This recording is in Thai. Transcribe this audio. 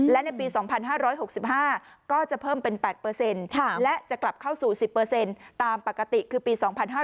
และในปี๒๕๖๕ก็จะเพิ่มเป็น๘และจะกลับเข้าสู่๑๐ตามปกติคือปี๒๕๕๙